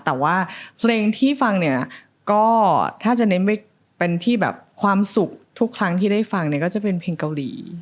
แต่ว่าเพลงที่ฟังเนี่ยก็ถ้าจะเน้นเป็นที่แบบความสุขทุกครั้งที่ได้ฟังเนี่ยก็จะเป็นเพลงเกาหลี